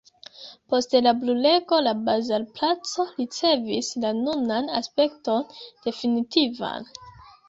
Post la brulego la bazarplaco ricevis la nunan aspekton definitivan.